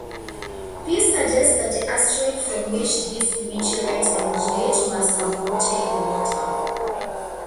This suggests that the asteroid from which these meteorites originate must have contained water.